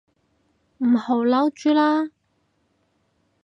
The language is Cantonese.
唔好嬲豬啦